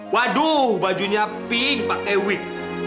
waduh bajunya pink pake wig